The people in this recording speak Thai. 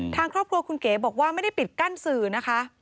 ทางครอบครัวคุณเก๋บอกว่าไม่ได้ปิดกั้นสื่อนะคะ